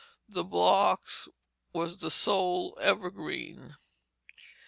The box was the sole evergreen.